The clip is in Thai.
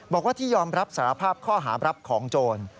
บอกว่าที่ยอมรับสารภาพข้อหารับของโจร